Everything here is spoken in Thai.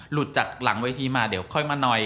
หลุดจากหลังเวทีมาเดี๋ยวค่อยมาหน่อย